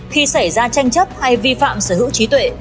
khi xảy ra tranh chấp hay vi phạm sở hữu trí tuệ